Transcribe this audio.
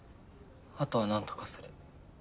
あとは何とかする。